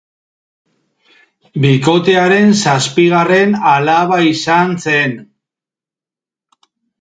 Bikotearen zazpigarren alaba izan zen.